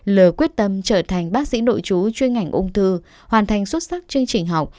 lờ quyết tâm trở thành bác sĩ nội chú chuyên ngành ung thư hoàn thành xuất sắc chương trình học